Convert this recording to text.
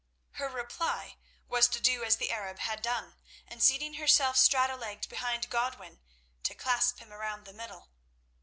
Her reply was to do as the Arab had done, and seating herself straddle legged behind Godwin, to clasp him around the middle.